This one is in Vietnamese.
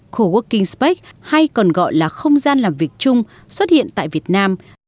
coworking spac hay còn gọi là không gian làm việc chung xuất hiện tại việt nam